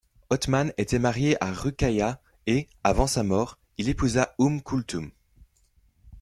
Othman était mariée à Ruqayyah et, avant sa mort, il épousa Oumm Koulthoum.